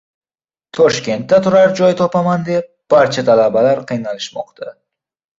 Toshekntda turar joy topaman deb barcha talabalar qiynalishmoqda